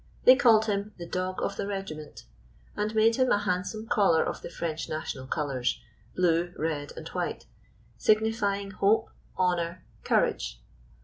They called him " The Dog of the Regiment," and made him a handsome collar of the French national colors — blue, red and white — signifying " hope, honor, courage."